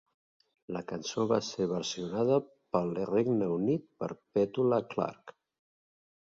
La cançó va ser versionada pel Regne Unit per Petula Clark.